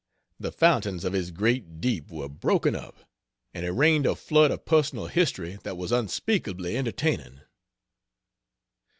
The fountains of his great deep were broken up, and he rained a flood of personal history that was unspeakably entertaining.